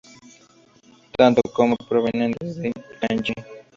Tanto な como ナ provienen dei kanji 奈, 十.